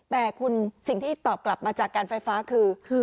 แต่คุณสิ่งที่ตอบกลับมาจากการไฟฟ้าคือ